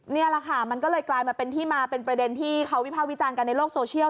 นี่แหละค่ะมันก็เลยกลายมาเป็นที่มาเป็นประเด็นที่เขาวิภาควิจารณ์กันในโลกโซเชียล